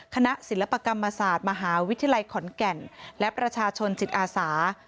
คณะศิลปกรรมศาสตร์มหาวิทยาลัยขอนแก่นและประชาชนจิตอาสา